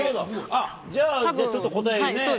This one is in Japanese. じゃあちょっと答えね。